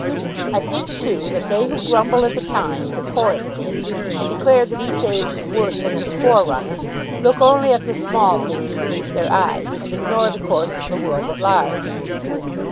I think, too, that they who grumble at the times, as Horace did, and declare that each age is worse than its forerunner, look only at the small things beneath their eyes, and ignore the course of the world at large."